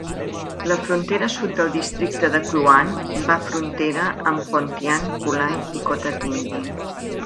La frontera sud del districte de Kluang va frontera amb Pontian, Kulai i Kota Tinggi.